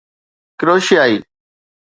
ڪروشيائي